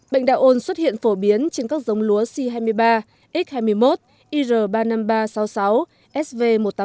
bệnh đào ôn xuất hiện phổ biến trên các giống lúa c hai mươi ba x hai mươi một ir ba mươi năm nghìn ba trăm sáu mươi sáu sv một trăm tám mươi một